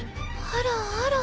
あらあら。